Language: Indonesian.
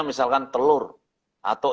misalkan telur atau